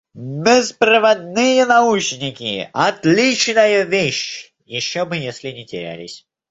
Беспроводные наушники - отличная вещь, ещё бы если не терялись.